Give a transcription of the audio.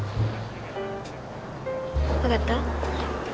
分かった？